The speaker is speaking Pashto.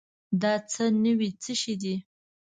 دا څه نوي شی دی؟